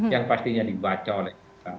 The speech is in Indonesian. yang pastinya dibaca oleh